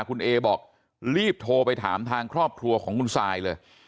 คุณเอบอกรีบโทรไปถามทางครอบครัวของคุณซายเลย